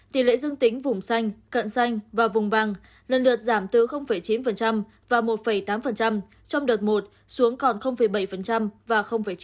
tỷ lệ dương tính vùng xanh cận xanh và vùng băng lần lượt giảm từ chín và một tám trong đợt một xuống còn bảy và chín